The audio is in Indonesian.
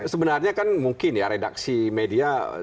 sebenarnya kan mungkin ya redaksi media